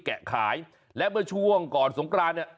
แกะขายและเมื่อช่วงก่อนสงกรานเนี่ย